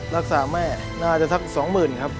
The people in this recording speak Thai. รักษาแม่น่าจะสัก๒๐๐๐ครับ